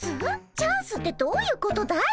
チャンスってどういうことだい？